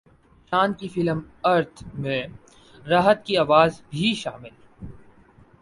شان کی film Earth میں راحت کی اواز بھی شامل